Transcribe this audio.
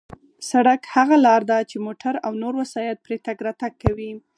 سړک هغه لار ده چې موټر او نور وسایط پرې تگ راتگ کوي.